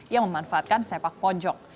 yang memanfaatkan sepak ponjok